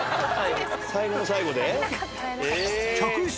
最後の最後で？